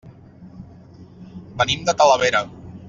Venim de Talavera.